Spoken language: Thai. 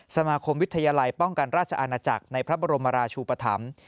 สมาคมวิทยาลัยป้องกันราชอาณาจักรในพระบรมราชูปธรรม